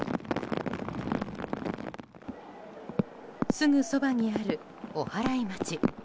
すぐそばにある、おはらい町。